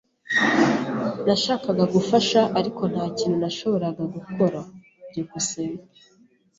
Nashakaga gufasha, ariko nta kintu nashoboraga gukora. byukusenge